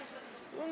うん！